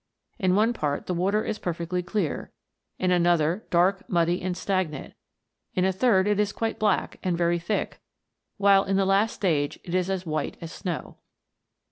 In one part the water is per fectly clear ; in another dark, muddy, and stagnant ; in a third it is quite black, and very thick; while in the last stage it is as white as snow.